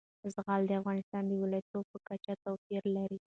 زغال د افغانستان د ولایاتو په کچه توپیر لري.